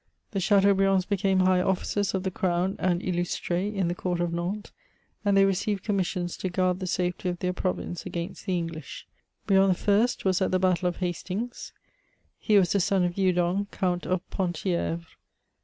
The Chateaubriands became high officers of the crown, and illustr^s in the Court of Nantes ; and they received commissions to guard the safety of their province against the English. Brien I. was at the battle of Hastings : he was the son of Eudon, Count of 'Penthievre.